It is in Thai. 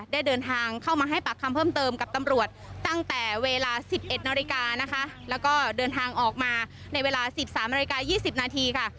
ได้เดินทางเข้ามาให้ปากคำเพิ่มเติมกับตำรวจตั้งแต่เวลา๑๑นาฬิกานะคะแล้วก็เดินทางออกมาในเวลา๑๓นาฬิกา๒๐นาทีค่ะ